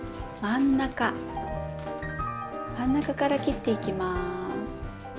真ん中から切っていきます。